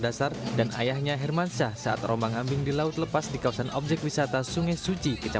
awalnya mereka dengan keluarga selfie selfie di wisata sungai suci